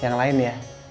yang lain ya